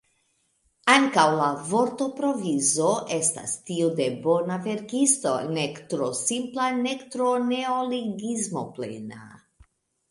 Ankaŭ la vortoprovizo estas tiu de bona verkisto, nek tro simpla nek tro neologismoplena.